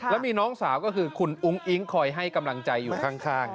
แล้วมีน้องสาวก็คือคุณอุ้งอิ๊งคอยให้กำลังใจอยู่ข้าง